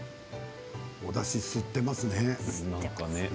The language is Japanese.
おだし吸っていますね。